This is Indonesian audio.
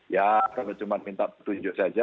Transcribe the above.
ya kalau cuma minta petunjuk saja